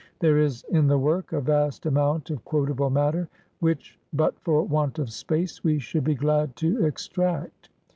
There is in the work a vast amount of quotable matter, which, but for want of space, vre should be glad to extract.